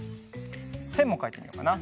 せんもかいてみようかな。